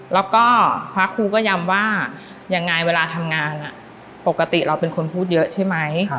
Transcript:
แล้วก็พระครูก็ย้ำว่ายังไงเวลาทำงานปกติเราเป็นคนพูดเยอะใช่ไหม